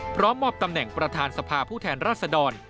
พร้อมมอบตำแหน่งประธานสภาผู้แทนรัศดร